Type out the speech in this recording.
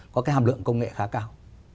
có cái hàm lượng công nghệ khá cao